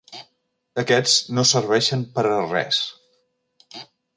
Aquests no serveixen per a res.